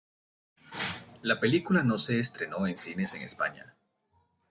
La película no se estrenó en cines en España.